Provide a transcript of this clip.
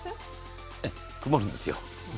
曇るんですよ。